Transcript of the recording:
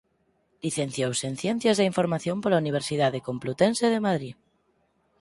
Licenciouse en Ciencias da información pola Universidade Complutense de Madrid.